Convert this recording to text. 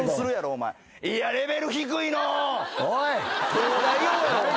『東大王』やろお前。